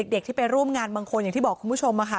เด็กที่ไปร่วมงานบางคนอย่างที่บอกคุณผู้ชมค่ะ